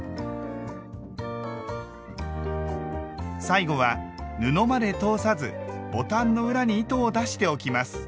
最後は布まで通さずボタンの裏に糸を出しておきます。